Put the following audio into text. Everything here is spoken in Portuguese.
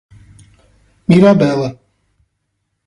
Mirabela